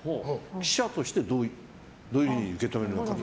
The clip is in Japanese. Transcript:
記者としてどういうふうに受け止めるか。